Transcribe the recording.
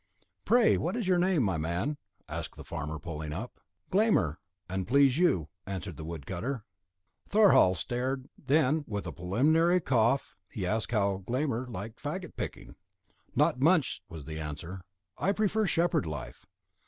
"Pray, what is your name, my man?" asked the farmer pulling up. "Glámr, an please you," replied the wood cutter. Thorhall stared; then, with a preliminary cough, he asked how Glámr liked faggot picking. "Not much," was the answer; "I prefer shepherd life."